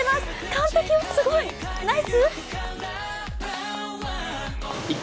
完璧、すごい、ナイス！